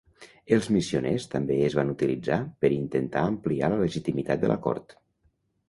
Els missioners també es van utilitzar per intentar ampliar la legitimitat de la cort.